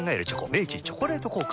明治「チョコレート効果」